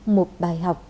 một bài học